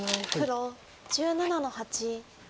黒１７の八。